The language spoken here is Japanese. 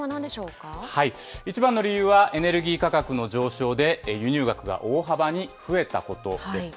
一番の理由は、エネルギー価格の上昇で、輸入額が大幅に増えたことです。